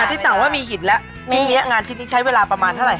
ที่ต่างว่ามีหินแล้วชิ้นนี้งานชิ้นนี้ใช้เวลาประมาณเท่าไห